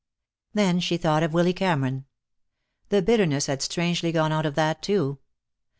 Then she thought of Willy Cameron. The bitterness had strangely gone out of that, too.